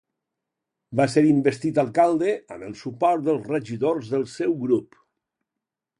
Va ser investit alcalde amb el suport dels regidors del seu grup.